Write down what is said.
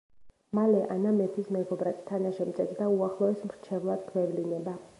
მალე ანა მეფის მეგობრად, თანაშემწედ და უახლოეს მრჩევლად გვევლინება.